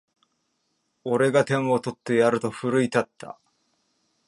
俺が点を取ってやると奮い立った